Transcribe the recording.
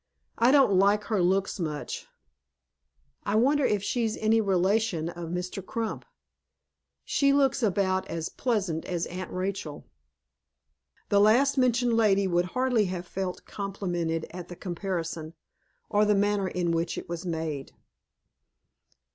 "I don't like her looks much. I wonder if she's any relation of Mr. Crump. She looks about as pleasant as Aunt Rachel." The last mentioned lady would hardly have felt complimented at the comparison, or the manner in which it was made.